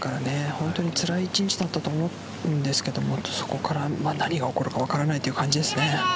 本当につらい１日だったと思うんですけどそこから何が起こるか分からないという感じですね。